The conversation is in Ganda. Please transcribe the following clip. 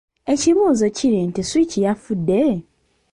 Ekibuuzo kiri nti Switch yafudde?